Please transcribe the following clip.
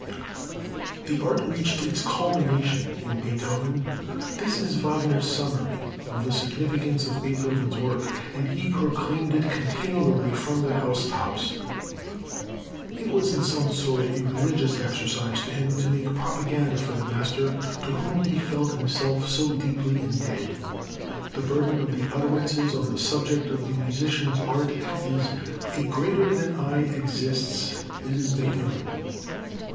The art reached its culmination in Beethoven. This is Wagner's summary of the significance of Beethoven's work, and he proclaimed it continually, from the housetops. It was in some sort a religious exercise to him to make propaganda for the master to whom he felt himself so deeply indebted. The burden of his utterances on the subject of the musician's art is, "A greater than I exists. It is Beethoven."